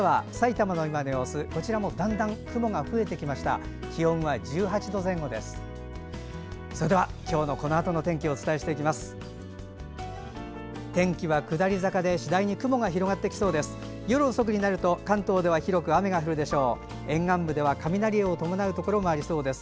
それでは、今日のこのあとの天気をお伝えしていきます。